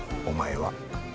お前は。